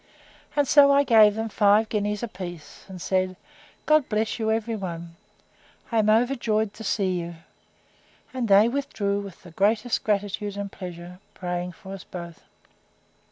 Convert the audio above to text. And so I gave them five guineas a piece, and said, God bless you every one! I am overjoyed to see you! And they withdrew with the greatest gratitude and pleasure, praying for us both.